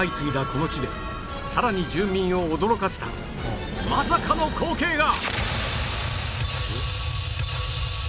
この地でさらに住民を驚かせたまさかの光景が！